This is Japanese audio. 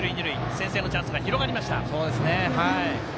先制のチャンス広がりました。